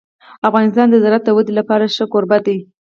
افغانستان د زراعت د ودې لپاره ښه کوربه دی.